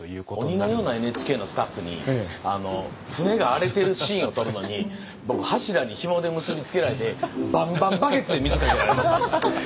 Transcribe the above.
鬼のようなＮＨＫのスタッフに船が荒れてるシーンを撮るのに僕柱にひもで結び付けられてバンバンバケツで水かけられましたんで。